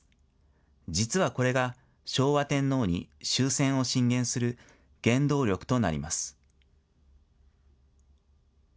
実はこれが昭和天皇に終戦を進言する原動力となります。